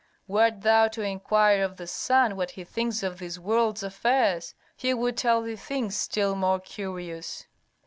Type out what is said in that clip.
Wert thou to inquire of the sun what he thinks of this world's affairs, he would tell thee things still more curious."